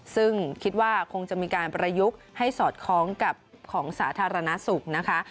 ซึ่งคิดว่าคงจะมีการประยุกต์ให้สอดคล้องกับของสาธารณสุขนะคะ